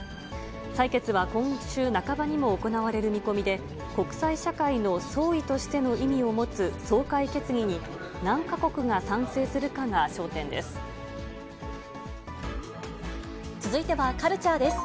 採決は今週半ばにも行われる見込みで、国際社会の総意としての意味を持つ総会決議に何か国が賛成するか続いてはカルチャーです。